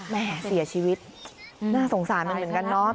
แม่เสียชีวิตน่าสงสารมันเหมือนกันเนอะ